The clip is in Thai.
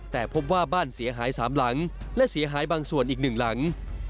แต่พบว่าบ้านเสียหาย๓หลังและเสียหายบางส่วนอีกหนึ่งหลัง